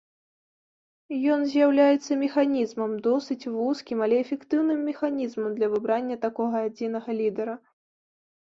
Ён з'яўляецца механізмам, досыць вузкім, але эфектыўным механізмам для выбрання такога адзінага лідара.